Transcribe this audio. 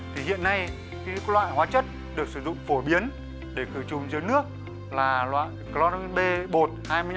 thì hiện nay cái loại hóa chất được sử dụng phổ biến để khử trùng giếng nước là loại cloramin b bột hai mươi năm